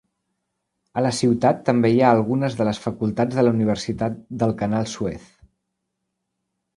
A la ciutat també hi ha algunes de les facultats de la Universitat del Canal Suez.